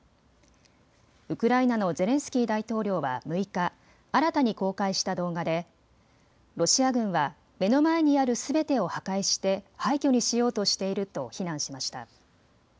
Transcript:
ウクライナのゼレンスキー大統領は６日、新たに公開した動画でロシア軍は目の前にあるすべてを破壊して廃虚にしようとしていると非難しました。